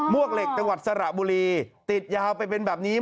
วกเหล็กจังหวัดสระบุรีติดยาวไปเป็นแบบนี้